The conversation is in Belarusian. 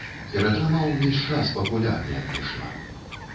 Ператрымаў увесь час, пакуль армія прайшла.